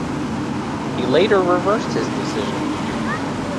He later reversed his decision.